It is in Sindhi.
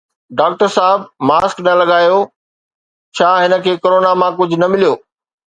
ڊاڪٽر صاحب ماسڪ نه لڳايو، ڇا هن کي ڪرونا مان ڪجهه نه مليو؟